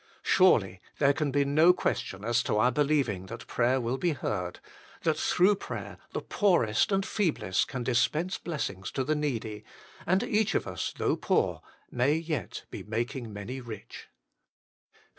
Surely there can be no question as to our believing that prayer will be heard, that through prayer the poorest and feeblest can dispense blessings to the needy, and each of us, though poor, may yet be making many rich.